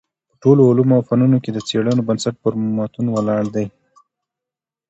په ټولو علومو او فنونو کي د څېړنو بنسټ پر متونو ولاړ دﺉ.